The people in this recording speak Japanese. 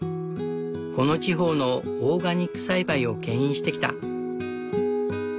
この地方のオーガニック栽培をけん引してきた。